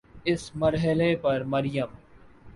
اس مرحلے پر مریم